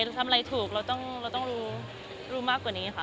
เราทำอะไรถูกเราต้องรู้มากกว่านี้ค่ะ